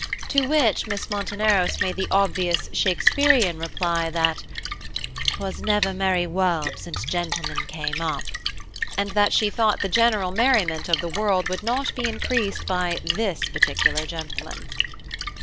To which Miss Monteneros made the obvious Shakespearian reply that "'Twas never merry world since gentlemen came up," and that she thought the general merriment of the world would not be increased by this particular gentleman.